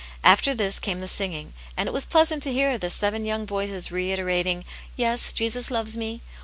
After this came the singing, and it was pleasant to hear the" seven young voices reiterating, "Yes, Jesus loves me!"